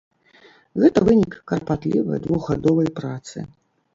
Гэта вынік карпатлівай двухгадовай працы.